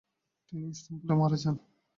তিনি ইস্তাম্বুলে মারা যান।